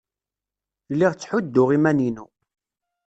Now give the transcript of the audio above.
Lliɣ ttḥudduɣ iman-inu.